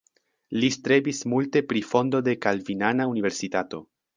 Li strebis multe pri fondo de kalvinana universitato.